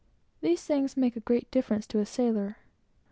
All these things make a great difference to a sailor.